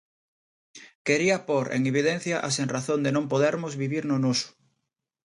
Quería pór en evidencia a sen razón de non podermos vivir do noso.